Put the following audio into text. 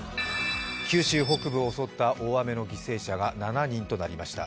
九州北部を襲った大雨の犠牲者が７人となりました。